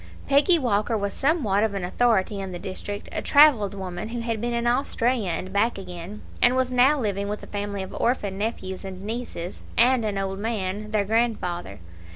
Peggy Walker was somewhat of an authority in the district a travelled woman, who had been in Australia and back again, and was now living with a family of orphan nephews and nieces, and an old man, their grandfather.